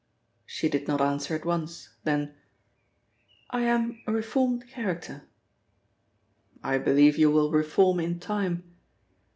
She did not answer at once, then: "I am a reformed character." "I believe you will reform in time.